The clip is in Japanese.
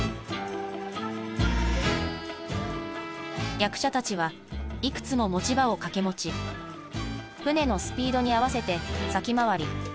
役者たちはいくつも持ち場を掛け持ち船のスピードに合わせて先回り。